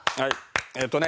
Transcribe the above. えっとね